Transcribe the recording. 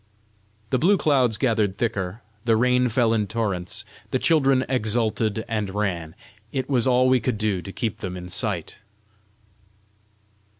The blue clouds gathered thicker; the rain fell in torrents; the children exulted and ran; it was all we could do to keep them in sight.